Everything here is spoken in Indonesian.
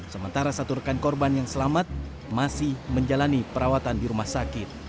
sementara satu rekan korban yang selamat masih menjalani perawatan di rumah sakit